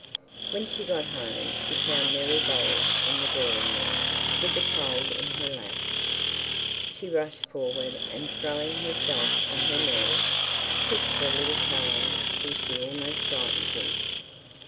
When she got home, she found Mary Bold in the drawing room with the child in her lap. She rushed forward, and, throwing herself on her knees, kissed the little fellow till she almost frightened him.